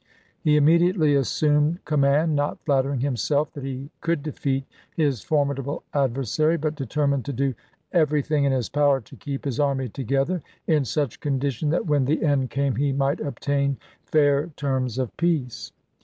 He immediately assumed command, not flattering himself that he could defeat his formidable adversary, but deter mined to do everything in his power to keep his army together in such condition that when the end came he might obtain fair terms of peace.